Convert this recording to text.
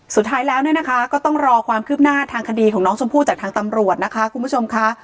สุดท้ายแล้วเนี่ยนะคะก็ต้องรอความคืบหน้าทางคดีของน้องชมพู่จากทางตำรวจนะคะคุณผู้ชมค่ะ